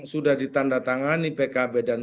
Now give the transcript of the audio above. sudah ditandatangani pkb dan